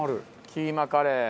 キーマカレー。